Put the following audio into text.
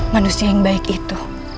manusia yang baik itu